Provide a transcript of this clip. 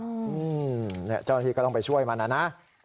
เจ้าหน้าที่ก็ต้องไปช่วยมันนะ